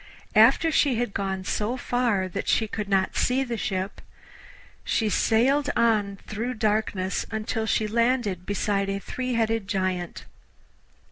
After she had gone so far that she could not see the ship, she sailed on through darkness until she landed beside a three headed Giant.